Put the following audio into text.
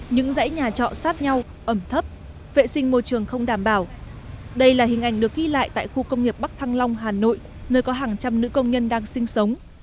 những dãy nhà trọ sát nhau ẩm thấp vệ sinh môi trường không đảm bảo đây là hình ảnh được ghi lại tại khu công nghiệp bắc thăng long hà nội nơi có hàng trăm nữ công nhân đang sinh sống